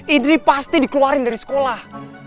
idri pasti dikeluarin dari sekolah